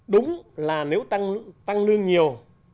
đúng là nếu tăng lương nhiều